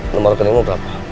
nomor rekeningmu berapa